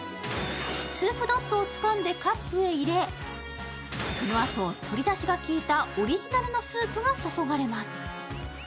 スープＤＯＴをつかんでカップへ入れその後、鶏だしがきいたオリジナルのスープが注がれます。